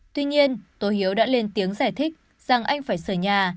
tuy nhiên tô hiếu đã lên tiếng giải thích rằng anh phải sở nhà